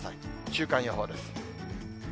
週間予報です。